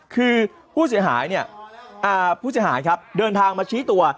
คือผู้เสียหายเดินทางมาชี้ตัว